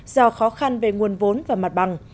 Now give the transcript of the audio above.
do khó khăn về nguồn vốn và mặt bằng